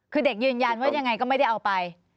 คือเด็กยืนยันว่ายังไงก็ไม่ได้เอาไป